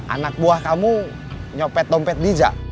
anak buah kamu nyopet dompet bijak